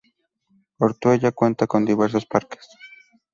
Ortuella cuenta con diversos parques.